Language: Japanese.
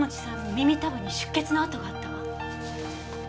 耳たぶに出血の跡があったわ。